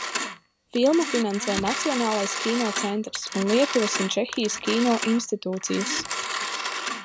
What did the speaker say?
Filmu finansē Nacionālais kino centrs un Lietuvas un Čehijas kino institūcijas.